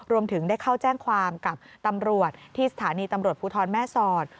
รวมถึงได้เข้าแจ้งความกับตำรวจที่สถานีตำรวจภูทรแม่สอด